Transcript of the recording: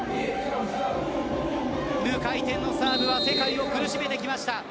無回転のサーブは世界を苦しめてきました。